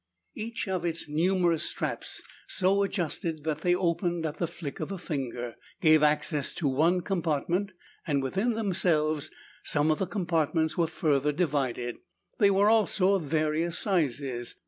Each of its numerous straps, so adjusted that they opened at the flick of a finger, gave access to one compartment, and within themselves some of the compartments were further divided. They were also of various sizes.